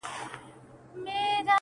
تا بدرنگۍ ته سرټيټی په لېونتوب وکړ~